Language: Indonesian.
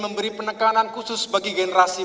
memberi penekanan khusus bagi generasi